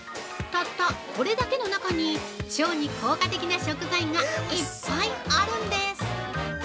たったこれだけの中に、腸に効果的な食材がいっぱいあるんです。